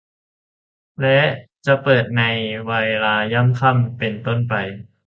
และจะเปิดในเวลาย่ำค่ำเป็นต้นไป